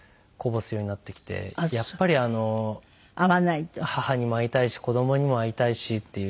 やっぱり母にも会いたいし子どもにも会いたいしっていう。